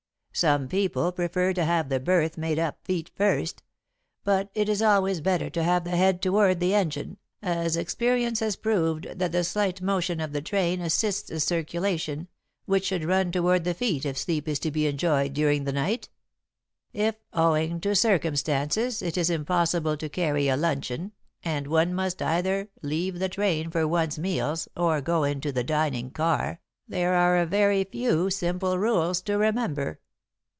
Some people prefer to have the berth made up feet first, but it is always better to have the head toward the engine, as experience has proved that the slight motion of the train assists the circulation, which should run toward the feet if sleep is to be enjoyed during the night. [Sidenote: Where to Eat] "'If, owing to circumstances, it is impossible to carry a luncheon and one must either leave the train for one's meals or go into the dining car, there are a few very simple rules to remember.